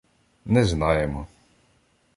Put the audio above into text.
— Не знаємо.